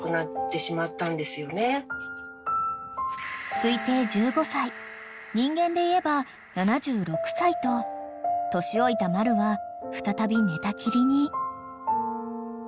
［推定１５歳人間でいえば７６歳と年老いたマルは再び寝たきりに］